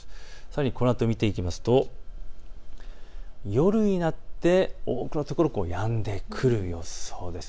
さらにこのあと見ていきますと夜になって多くの所、やんでくる予想です。